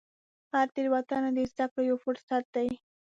هره تېروتنه د زده کړې یو فرصت دی.